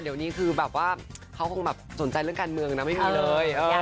เดี๋ยวนี้คือแบบว่าเขาคงแบบสนใจเรื่องการเมืองนะไม่มีเลย